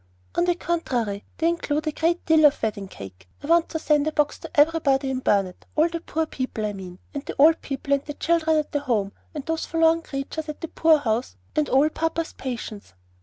"On the contrary, they include a great deal of wedding cake. I want to send a box to everybody in Burnet, all the poor people, I mean, and the old people and the children at the Home and those forlorn creatures at the poor house and all papa's patients."